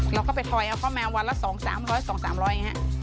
เราก็ไปทอยเขามาวันละ๒๐๐๓๐๐อย่างนี้